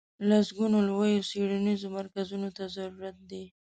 لسګونو لویو څېړنیزو مرکزونو ته ضرورت دی.